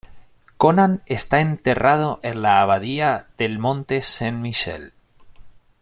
Conan está enterrado en la abadía del Monte Saint-Michel.